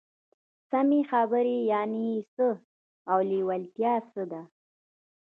سمې خبرې يانې څه او لېوالتيا څه ده؟